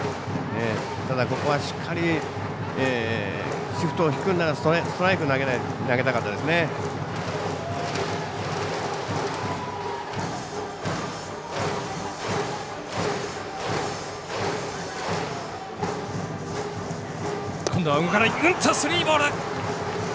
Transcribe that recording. ただ、ここはしっかりシフトを敷くならストライク投げたかったですね。